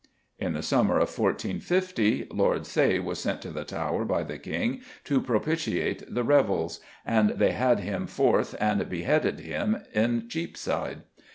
In the summer of 1450 Lord Say was sent to the Tower by the King "to propitiate the rebels," and they had him forth and beheaded him in Cheapside.